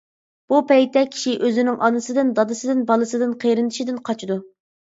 بۇ پەيتتە كىشى ئۆزىنىڭ ئانىسىدىن، دادىسىدىن، بالىسىدىن، قېرىندىشىدىن قاچىدۇ.